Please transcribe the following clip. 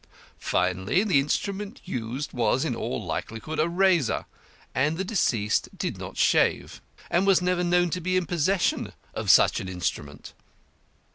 Finally, the instrument used was in all likelihood a razor, and the deceased did not shave, and was never known to be in possession of any such instrument.